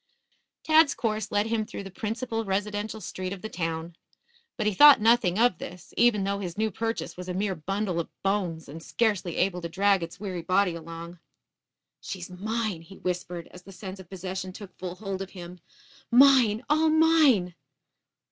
Tad's course led him through the principal residential street of the town. But he thought nothing of this, even though his new purchase was a mere bundle of bones and scarcely able to drag its weary body along. "She's mine," he whispered, as the sense of possession took full hold of him. "Mine, all mine!"